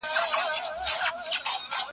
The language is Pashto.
د بشري حقونو په اړه نړیوال غبرګونونه مهم دي.